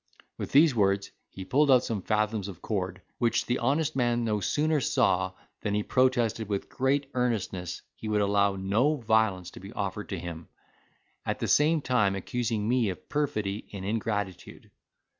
With these words, he pulled out some fathoms of cord, which the honest man no sooner saw than he protested with great earnestness he would allow no violence to be offered to him, at the same time accusing me of perfidy and ingratitude.